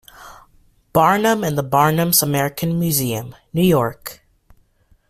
Barnum in the Barnum's American Museum, New York.